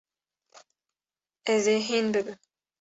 Ez ê hîn bibim.